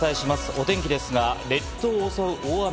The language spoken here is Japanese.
お天気ですが、列島を襲う大雨。